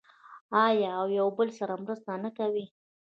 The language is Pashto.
آیا او یو بل سره مرسته نه کوي؟